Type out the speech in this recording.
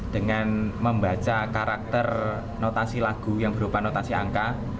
dengan membaca karakter notasi lagu yang berupa notasi angka